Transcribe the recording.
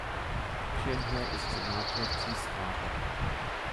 Schirmherr ist Senator Ties Rabe.